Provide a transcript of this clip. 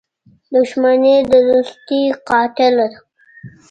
• دښمني د دوستۍ قاتله ده.